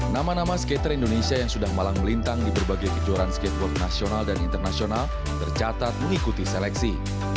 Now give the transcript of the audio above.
nama nama skater indonesia yang sudah malang melintang di berbagai kejuaraan skateboard nasional dan internasional tercatat mengikuti seleksi